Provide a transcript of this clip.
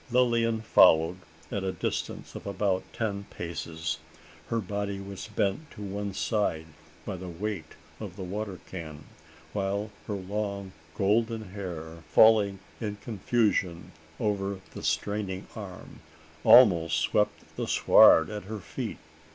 Lilian followed at a distance of about ten paces. Her body was bent to one side by the weight of the water can; while her long golden hair, falling in confusion over the straining arm, almost swept the sward at her feet.